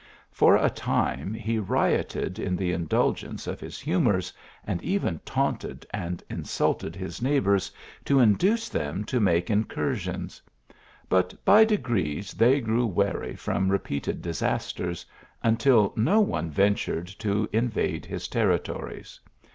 For a time he rioted in the indulgence o? his humours, and even taunted and insulted hi* neighbours to induce them to make incursions ; but by degrees they grew wary from repeated disasters, until no one ventured to invade his territories.